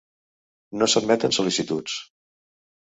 No s'admeten sol·licituds.